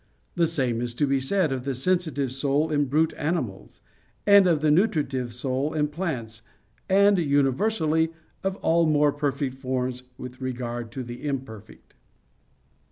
The same is to be said of the sensitive soul in brute animals, and of the nutritive soul in plants, and universally of all more perfect forms with regard to the imperfect.